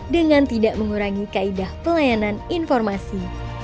dengan tidak mengurangi kaedah pelayanan informasi